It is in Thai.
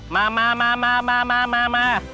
มา